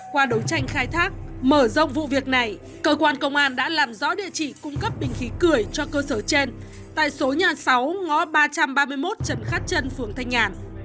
qua đấu tranh khai thác mở rộng vụ việc này cơ quan công an đã làm rõ địa chỉ cung cấp bình khí cười cho cơ sở trên tại số nhà sáu ngõ ba trăm ba mươi một trần khát trân phường thanh nhàn